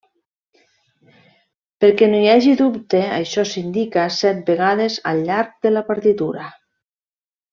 Perquè no hi hagi dubte això s'indica set vegades al llarg de la partitura.